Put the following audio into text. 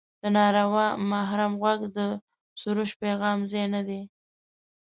د ناروا محرم غوږ د سروش پیغام ځای نه دی.